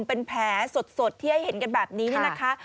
เป็นแผลสดที่ให้เห็นกันแบบนี้เนี่ยนะคะ